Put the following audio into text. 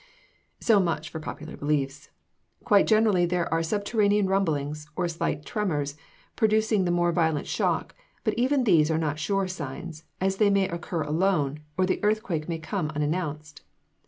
So much for popular beliefs. Quite generally there are subterranean rumblings, or slight tremors preceding the more violent shock; but even these are not sure signs, as they may occur alone, or the earthquake may come unannounced.